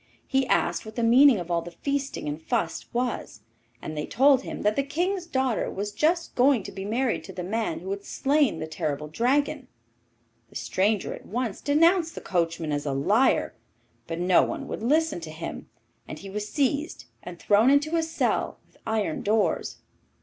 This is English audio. He asked what the meaning of all the feasting and fuss was, and they told him that the King's daughter was just going to be married to the man who had slain the terrible dragon. The stranger at once denounced the coachman as a liar; but no one would listen to him, and he was seized and thrown into a cell with iron doors.